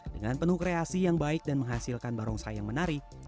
dengan penuh kreasi yang baik dan menghasilkan barongsai yang menarik